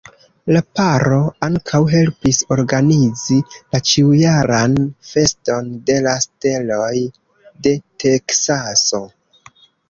La paro ankaŭ helpis organizi la ĉiujaran Feston de la Steloj de Teksaso.